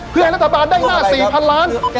เพื่อให้รัฐบาลได้หน้า๔๐๐๐ล้าน